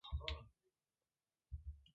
Yenna-as i Tiziri ad tɛass igerdan.